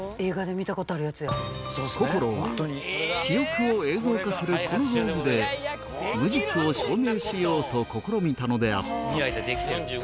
心は記憶を映像化するこの道具で無実を証明しようと試みたのであった